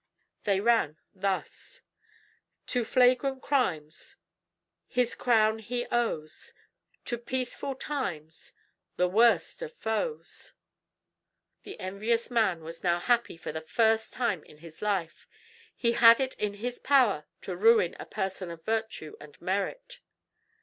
They ran thus: To flagrant crimes His crown he owes, To peaceful times The worst of foes. The envious man was now happy for the first time of his life. He had it in his power to ruin a person of virtue and merit.